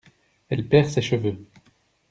Elle perd ses cheveux.